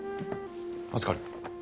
預かる。